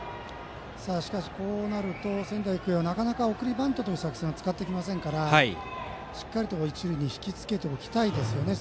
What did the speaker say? しかし、こうなると仙台育英はなかなか送りバントという作戦は使ってきませんからしっかり一塁に引きつけておきたいですね。